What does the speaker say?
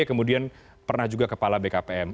kemudian pernah juga kepala bkpm